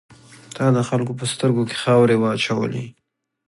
تا د خلکو په سترګو کې خاورې واچولې.